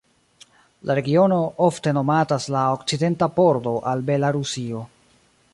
La regiono ofte nomatas la "okcidenta pordo" al Belarusio.